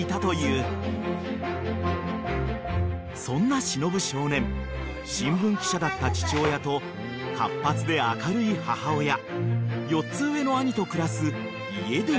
［そんな忍少年新聞記者だった父親と活発で明るい母親４つ上の兄と暮らす家では］